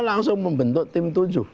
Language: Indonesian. langsung membentuk tim tujuh